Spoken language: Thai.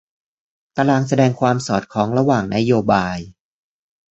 ตารางแสดงความสอดคล้องระหว่างนโยบาย